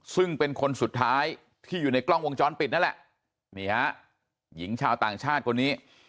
ซึ่งเป็นคนสุดท้ายที่อยู่ในกล้องวงจรปิดนั่นแหละนี่ฮะหญิงชาวต่างชาติคนนี้